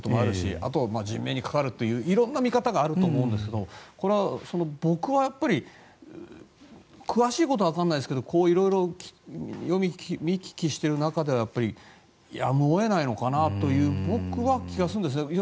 あと、人命に関わるといういろんな見方があると思いますけどこれは僕はやっぱり詳しいことは分からないですけどいろいろ見聞きしている中ではやっぱり、やむを得ないのかなという気が、僕はするんですね。